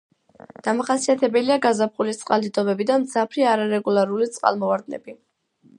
დამახასიათებელია გაზაფხულის წყალდიდობები და მძაფრი არარეგულარული წყალმოვარდნები.